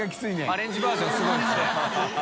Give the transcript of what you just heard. アレンジバージョンすごいですね。